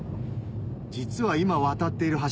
実は今渡っている橋